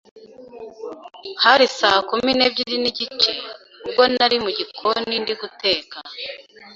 hari saa kumi n’ebyiri n’igice, ubwo nari mu gikoni ndi guteka.